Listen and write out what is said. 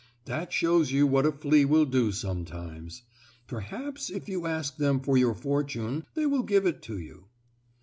That shows you what a flea will do sometimes. Perhaps if you ask them for your fortune they will give it to you."